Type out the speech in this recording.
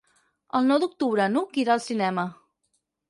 El nou d'octubre n'Hug irà al cinema.